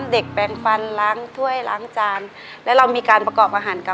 ในแคมเปญพิเศษเกมต่อชีวิตโรงเรียนของหนู